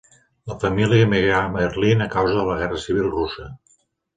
La família emigrà a Berlín a causa de la Guerra Civil Russa.